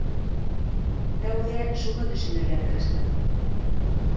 Тәүҙә шуны төшөнөргә тырыштым.